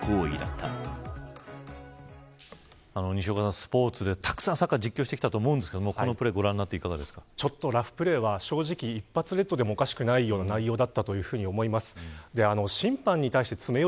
西岡さん、スポーツでたくさんサッカーを実況してきたと思うんですけどこのプレーご覧になってラフプレーは一発レッドでもおかしくないような内容だったと思います。